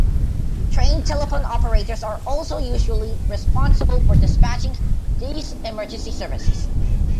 Trained telephone operators are also usually responsible for dispatching these emergency services.